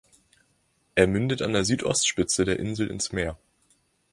Er mündet an der Südostspitze der Insel ins Meer.